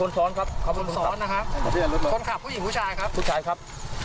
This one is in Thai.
รถอะไรชนที่ครับ